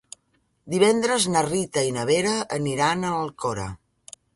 Divendres na Rita i na Vera aniran a l'Alcora.